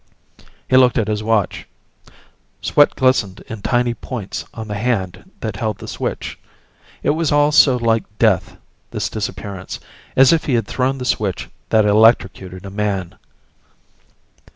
He looked at his watch. Sweat glistened in tiny points on the hand that held the switch. It was all so like death, this disappearance as if he had thrown the switch that electrocuted a man.